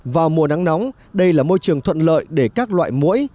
vào mùa nắng nóng đây là môi trường thuận lợi để các loại mũi